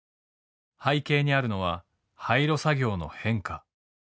背景にあるのは廃炉作業の変化。